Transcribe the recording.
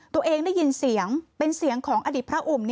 ตัวเองได้ยินเสียงเป็นเสียงของอดีตพระอุ่ม